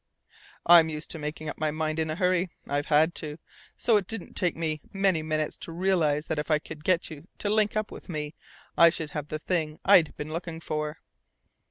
I'm used to making up my mind in a hurry I've had to so it didn't take me many minutes to realize that if I could get you to link up with me, I should have the thing I'd been looking for.